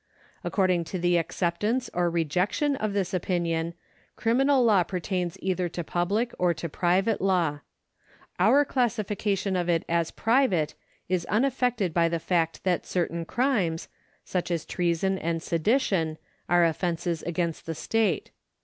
According to the acceptance or rejection of this opinion, criminal law jjertains either to public or to private law. Our elassilication of it as private is unaffected by the fact that certain crimes, such as treason and sedition, are otfences against the state.